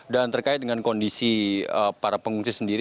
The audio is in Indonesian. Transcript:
dan terkait dengan kondisi para pengungsi sendiri